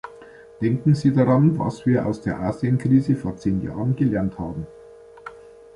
Denken Sie daran, was wir aus der Asienkrise vor zehn Jahren gelernt haben.